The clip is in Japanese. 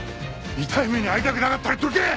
痛い目に遭いたくなかったらどけ！